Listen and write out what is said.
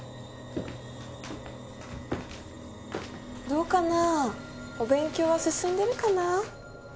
どうかなお勉強は進んでるかな？